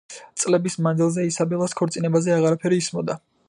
წლების მანძილზე ისაბელას ქორწინებაზე აღარაფერი ისმოდა.